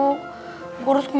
dia sudah selesai